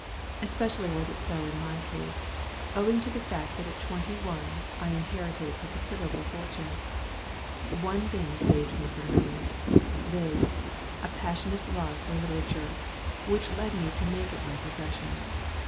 Especially was it so in my case, owing to the fact that at twenty one I inherited a considerable fortune. One thing saved me from ruin, viz. a passionate love for literature, which led me to make it my profession.